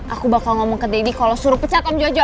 aku bakal ngomong ke deddy kalau suruh pecat om jojo